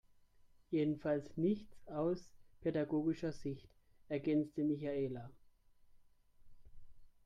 Jedenfalls nicht aus pädagogischer Sicht, ergänzte Michaela.